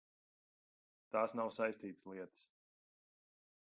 Tās nav saistītas lietas.